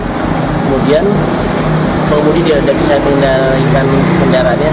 kemudian pengemudi juga tidak bisa mengendalikan kendaraannya